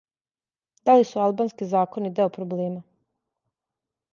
Да ли су албански закони део проблема?